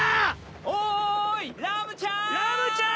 おーいラムちゃん！